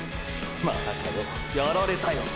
またかよやられたよ！！